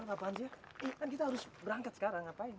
apaan sih ya kan kita harus berangkat sekarang ngapain